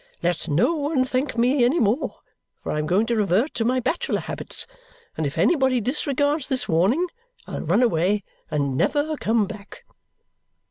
Let no one thank me any more, for I am going to revert to my bachelor habits, and if anybody disregards this warning, I'll run away and never come back!"